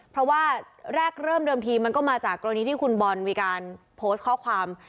เพราะว่าแรกเริ่มเดิมทีมันก็มาจากกรณีที่คุณบอลมีการโพสต์ข้อความ